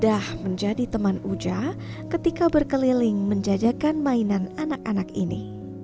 dan membuat uja menjadi teman uja ketika berkeliling menjajakan mainan anak anak ini